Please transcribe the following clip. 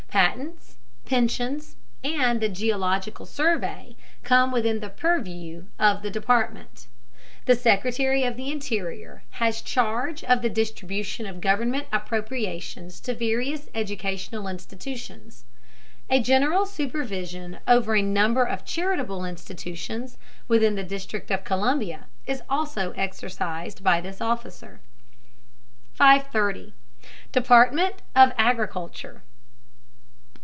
Patents, pensions, and the geological survey come within the purview of the department. The Secretary of the Interior has charge of the distribution of government appropriations to various educational institutions. A general supervision over a number of charitable institutions within the District of Columbia is also exercised by this officer. 530. DEPARTMENT OF AGRICULTURE.